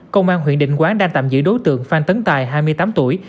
công an huyện định quán đang tạm giữ đối tượng phan tấn tài hai mươi tám tuổi